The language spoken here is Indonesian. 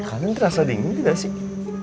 kalian terasa dingin tidak sih